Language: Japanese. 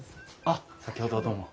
あっ先ほどはどうも。